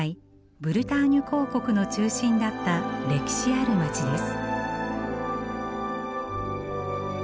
ブルターニュ公国の中心だった歴史ある街です。